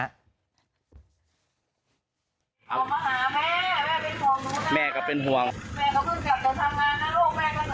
มาหาแม่แม่ก็เป็นห่วงแม่ก็พึ่งจับตนทำงานนะโลก